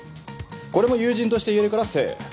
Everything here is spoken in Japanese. これも友人として言えるからセーフ。